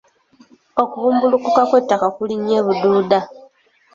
Okubumbulukuka kw'ettaka kuli nnyo e Bududa.